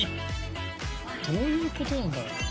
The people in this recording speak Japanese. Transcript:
「どういう事なんだろう？」